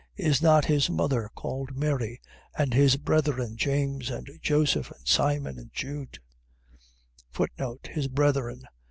Is not his mother called Mary, and his brethren James, and Joseph, and Simon, and Jude: His brethren.